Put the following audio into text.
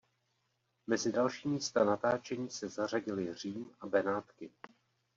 Mezi další místa natáčení se zařadily Řím a Benátky.